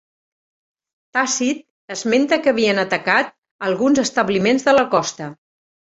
Tàcit esmenta que havien atacat alguns establiments de la costa.